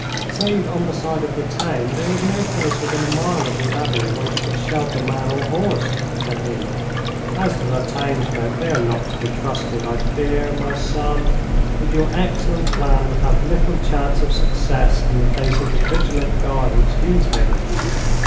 'Save on the side of the town, there is no place within a mile of the Abbey where you could shelter man or horse,' said he. 'As to the townsfolk, they are not to be trusted. I fear, my son, that your excellent plan would have little chance of success in the face of the vigilant guard which these men keep.'